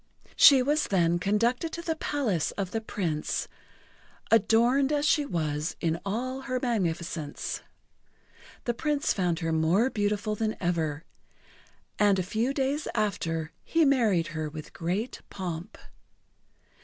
She was then conducted to the palace of the Prince, adorned as she was in all her magnificence. The Prince found her more beautiful than ever, and a few days after he married her with great pomp.